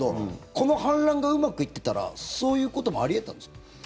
この反乱がうまくいってたらそういうこともあり得たんですか？